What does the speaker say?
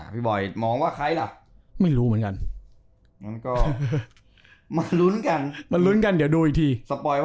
ไปลุ้นกันเดี๋ยวดูอีกที